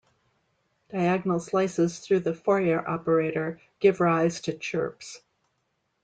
Diagonal slices through the Fourier operator give rise to chirps.